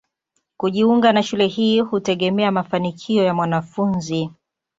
Kujiunga na shule hii hutegemea mafanikio ya mwanafunzi.